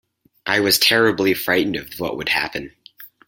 I was terribly frightened of what would happen.